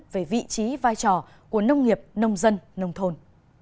về vị trí vai trò của nông nghiệp nông dân nông thôn